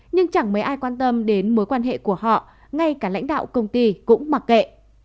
nhưng chẳng mấy ai quan tâm đến mối quan hệ của họ ngay cả lãnh đạo công ty cũng mặc kệ